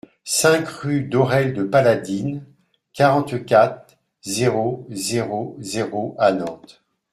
cinq rue d'Aurelle de Paladines, quarante-quatre, zéro zéro zéro à Nantes